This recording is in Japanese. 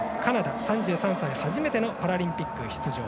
３３歳、初めてのパラリンピック出場。